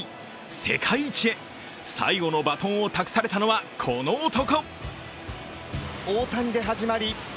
世界一へ、最後のバトンを託されたのは、この男。